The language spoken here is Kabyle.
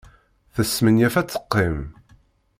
Tesmenyaf ad teqqim.